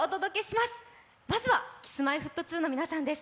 まずはＫｉｓ−Ｍｙ−Ｆｔ２の皆さんです。